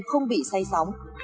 không bị say sóng